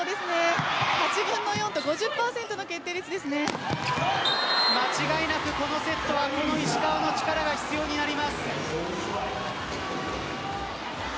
８分の４と５０％の決間違いなくこのセットはこの石川の力が必要になります。